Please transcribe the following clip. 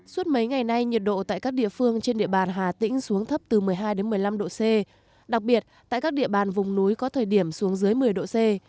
suốt mấy ngày nay nhiệt độ tại các địa phương trên địa bàn hà tĩnh xuống thấp từ một mươi hai một mươi năm độ c đặc biệt tại các địa bàn vùng núi có thời điểm xuống dưới một mươi độ c